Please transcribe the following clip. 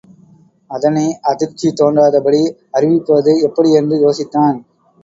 அதனை அதிர்ச்சி தோன்றாதபடி அறிவிப்பது எப்படி என்று யோசித்தான்.